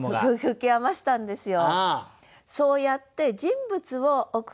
吹き余したんですよ。